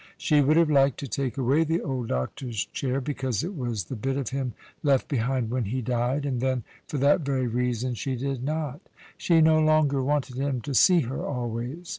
She would have liked to take away the old doctor's chair, because it was the bit of him left behind when he died, and then for that very reason she did not. She no longer wanted him to see her always.